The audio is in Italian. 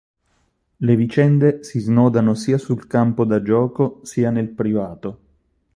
Le vicende si snodano sia sul campo da gioco sia nel privato.